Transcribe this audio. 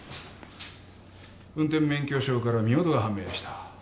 運転免許証から身元が判明した。